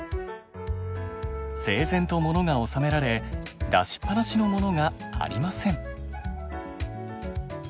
整然とモノが収められ出しっぱなしのモノがありません。